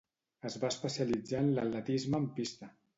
Es va especialitzar en l'atletisme en pista.